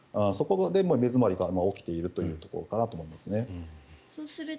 そこで目詰まりが起きているというところかなと思います。